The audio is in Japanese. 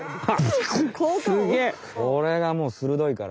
これがもうするどいから。